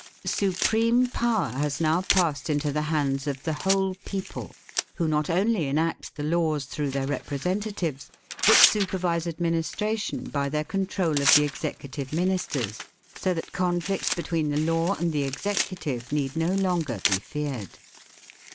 Supreme power has now passed into the hands of the whole people, who not only enact the laws through their representatives but supervise administration by their control of the executive Ministers, so that con b xviii PREFACE flicts between the law and the executive need no longer be feared.